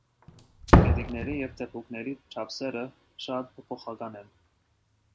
Կետիկների և թեփուկների չափսերը շատ փոփոխական են։